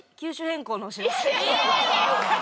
いやいや！